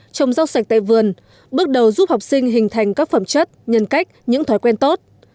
trồng rau sạch tại vườn bước đầu giúp học sinh hình thành các phẩm chất nhân cách những thói quen tốt